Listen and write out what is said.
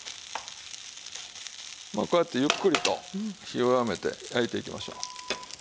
まあこうやってゆっくりと火を弱めて焼いていきましょう。